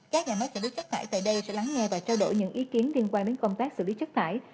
các nhà máy xử lý chất thải tại đây sẽ lắng nghe và trao đổi những ý kiến liên quan đến công tác xử lý chất thải